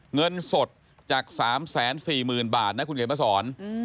เงินสดจาก๓๔๐๐๐๐บาทนะครับคุณเกษมศร